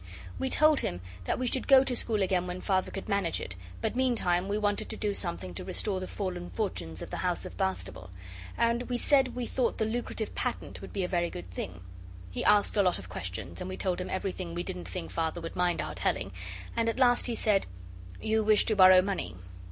We told him that we should go to school again when Father could manage it, but meantime we wanted to do something to restore the fallen fortunes of the House of Bastable. And we said we thought the lucrative patent would be a very good thing. He asked a lot of questions, and we told him everything we didn't think Father would mind our telling, and at last he said 'You wish to borrow money.